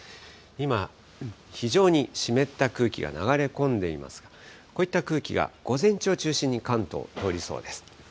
今、非常に湿った空気が流れ込んでいますが、こういった空気が午前中を中心に関東、通りそうです。